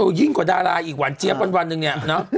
โอ้ยยิ่งกว่าดาราอีกหวันเจ๊บวันนึงเนี่ยเนาะ